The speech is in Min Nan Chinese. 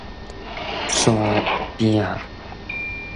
山坪